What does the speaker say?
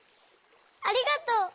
ありがとう！